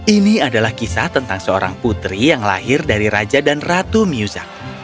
ini adalah kisah tentang seorang putri yang lahir dari raja dan ratu muzak